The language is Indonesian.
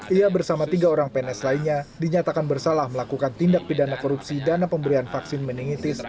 ia bersama tiga orang pns lainnya dinyatakan bersalah melakukan tindak pidana korupsi dana pemberian vaksin meningitis